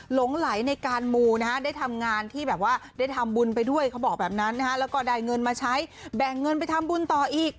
หลงไหลในการมูนะฮะได้ทำงานที่แบบว่าได้ทำบุญไปด้วยเขาบอกแบบนั้นนะฮะแล้วก็ได้เงินมาใช้แบ่งเงินไปทำบุญต่ออีก